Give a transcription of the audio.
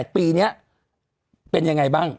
ปีนี้เป็นยังไงบ้าง